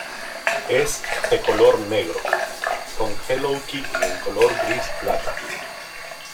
Es de color negro, con Hello Kitty en color gris plata.